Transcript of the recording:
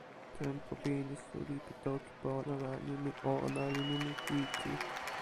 tenpo pini suli pi toki pona la nimi "ona" li nimi "iki".